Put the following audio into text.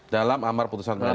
dalam amar putusan pengadilan